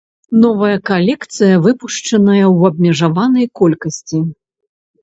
Новая калекцыя выпушчаная ў абмежаванай колькасці.